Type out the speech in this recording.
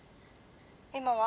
今は？